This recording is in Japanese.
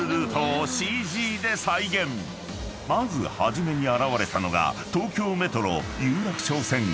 ［まず初めに現れたのが東京メトロ有楽町線］